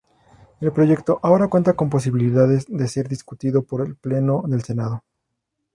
El proyecto ahora cuenta con posibilidades de ser discutido por el pleno del Senado.